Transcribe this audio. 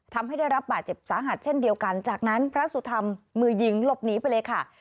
ทำให้ได้รับบาดเจ็บสาหัสเช่นเดียวกันจากนั้นพระสุธรรมมือยิงหลบหนีไปเลยค่ะ